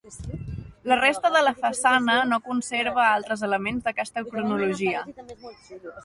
La resta de la façana no conserva altres elements d'aquesta cronologia.